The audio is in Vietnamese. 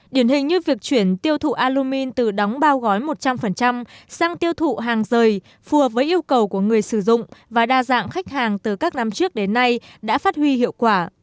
điển hình như việc chuyển tiêu thụ alumin từ đóng bao gói một trăm linh sang tiêu thụ hàng rời phù hợp với yêu cầu của người sử dụng và đa dạng khách hàng từ các năm trước đến nay đã phát huy hiệu quả